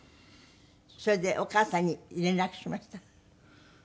それでお母さんに連絡しました？